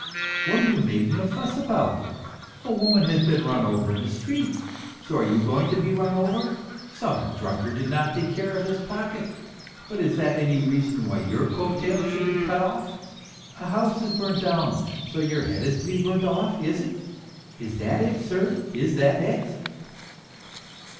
What are you making a fuss about ? A woman has been run over in the street, so are you going to be run over ? Some drunkard did not take care of his pocket, 278 MR. PROHARTCHIX but is that any reason why your coat tails should be cut off ? A house is burnt down, so your head is to be burnt off, is it ? Is that it, sir, is that it